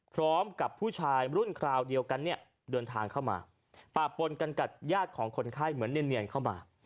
พร้อมกับผู้ชายรุ่นคราวเดียวกันเนี่ยเดินทางเข้ามาปะปนกันกับญาติของคนไข้เหมือนเนียนเข้ามา